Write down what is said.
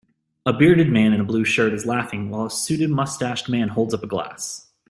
A bearded man in a blue shirt ls laughing while a suited mustached man holds up a glass